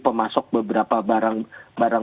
pemasok beberapa barang